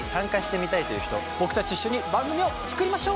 僕たちと一緒に番組を作りましょう。